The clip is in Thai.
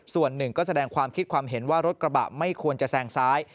ส่วนหนึ่งก็แสดงความคิดความเห็นว่ารถกระบะไม่ควรจะแซงซ้าย